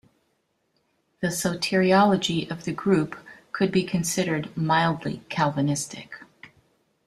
The soteriology of the group could be considered mildly Calvinistic.